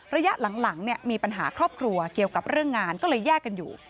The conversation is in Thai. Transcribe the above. ระยะหลังมีปัญหาครอบครัวเกี่ยวกับเรื่องงานก็เลยแยกกันอยู่